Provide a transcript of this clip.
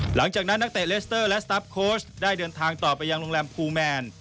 หลังจากนั้นนักเตะเลสเตอร์และสตาร์ฟโค้ชได้เดินทางต่อไปยังโรงแรมภูแมน